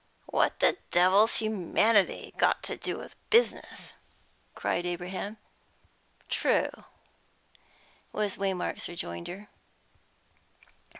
"What the devil's humanity got to do with business?" cried Abraham. "True," was Waymark's rejoinder.